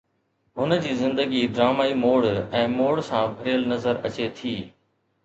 هن جي زندگي ڊرامائي موڙ ۽ موڙ سان ڀريل نظر اچي ٿي.